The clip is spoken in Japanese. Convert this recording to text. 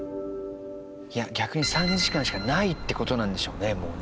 いや逆に３時間しかないって事なんでしょうねもうね。